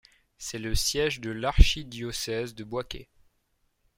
C'est le siège de l'archidiocèse de Bouaké.